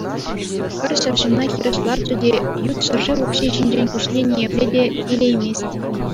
Хӗр ҫав ҫынна хирӗҫ ларчӗ те ют ҫӗршыв укҫи ҫинчен куҫне ниепле те илеймест.